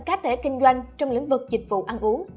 cá thể kinh doanh trong lĩnh vực dịch vụ ăn uống